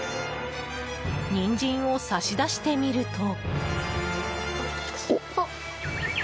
ニンジンを差し出してみると。